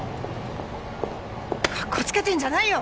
カッコつけてんじゃないよ！